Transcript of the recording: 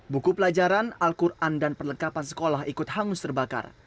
buku pelajaran al quran dan perlengkapan sekolah ikut hangus terbakar